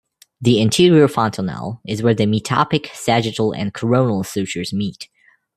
The anterior fontanelle is where the metopic, saggital and coronal sutures meet.